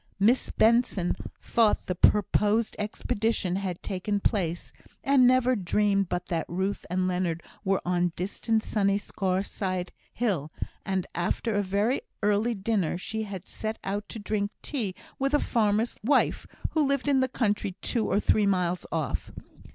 Miss Benson thought the purposed expedition had taken place, and never dreamed but that Ruth and Leonard were on distant, sunny Scaurside hill; and after a very early dinner, she had set out to drink tea with a farmer's wife who lived in the country two or three miles off.